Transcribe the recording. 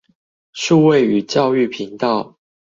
數位與教育頻道